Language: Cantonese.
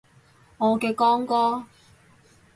我嘅光哥